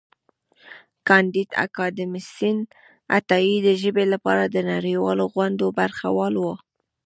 کانديد اکاډميسن عطايي د ژبې لپاره د نړیوالو غونډو برخه وال و.